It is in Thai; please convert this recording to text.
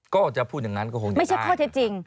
ก็จะพูดอย่างนั้นก็คงจะไม่ใช่ข้อเท็จจริง